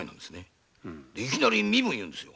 いきなり身分を言うんですよ。